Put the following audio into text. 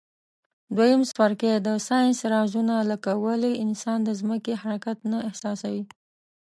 دویم څپرکی د ساینس رازونه لکه ولي انسان د ځمکي حرکت نه احساسوي.